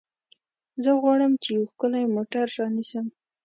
زه غواړم چې یو ښکلی موټر رانیسم.